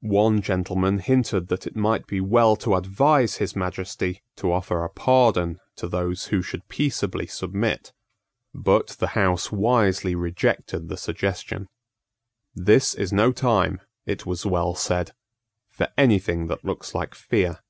One gentleman hinted that it might be well to advise his Majesty to offer a pardon to those who should peaceably submit: but the House wisely rejected the suggestion. "This is no time," it was well said, "for any thing that looks like fear."